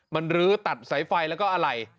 มันรื้อตัดสายไฟแล้วก็อะไร